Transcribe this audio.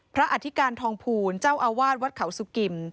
อธิการทองภูลเจ้าอาวาสวัดเขาสุกิม